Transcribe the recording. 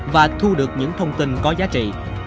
và thu được những thông tin có giá trị